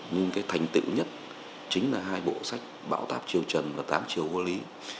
nhưng cái thành tựu nhất chính là hai bộ sách bảo tháp triều trần và tám triều vua lý